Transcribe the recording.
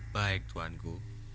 baik tuhan ku